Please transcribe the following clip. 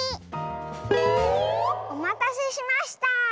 おまたせしました！